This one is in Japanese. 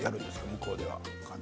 向こうでは。